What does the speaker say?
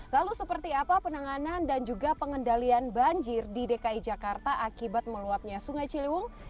lalu seperti apa penanganan dan juga pengendalian banjir di dki jakarta akibat meluapnya sungai ciliwung